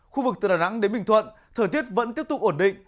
khu vực từ đà nẵng đến bình thuận thời tiết vẫn tiếp tục ổn định